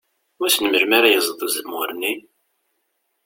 Wissen melmi ara yeẓẓed uzemmur-nni?